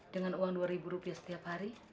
dengan uang dua ribu rupiah setiap hari